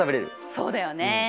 そうだよね。